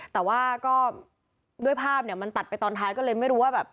แต่ว่าก็ด้วยภาพเนี่ยมันตัดไปตอนท้ายก็เลยไม่รู้ว่าแบบ